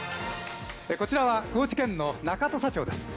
こちらは高知県の中土佐町です。